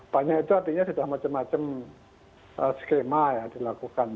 banyak itu artinya sudah macam macam skema ya dilakukan